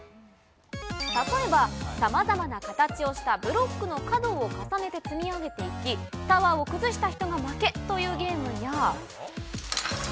例えば、さまざまな形をしたブロックの角を重ねて積み上げていき、タワーを崩した人が負けというゲームや。